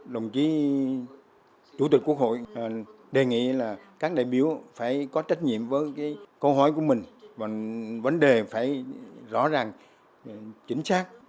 đồng chí chủ tịch quốc hội đề nghị là các đại biểu phải có trách nhiệm với câu hỏi của mình vấn đề phải rõ ràng chính xác